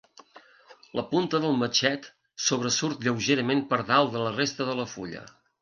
La punta del matxet sobresurt lleugerament per dalt de la resta de la fulla.